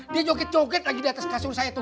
dia joget joget lagi di atas kasur saya tuh